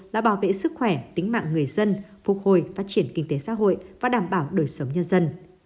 là bảo vệ sức khỏe tính mạng người dân phục hồi phát triển kinh tế xã hội và đảm bảo đời sống nhân dân